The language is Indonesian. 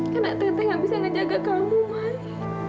karena tete gak bisa ngejaga kamu mai